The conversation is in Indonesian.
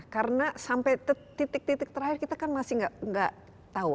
karena sampai titik titik terakhir kita kan masih tidak tahu